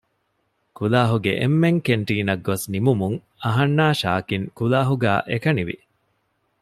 ކުލާހުގެ އެންމެން ކެންޓީނަށް ގޮސް ނިމުމުން އަހަންނާ ޝާކިން ކުލާހުގައި އެކަނިވި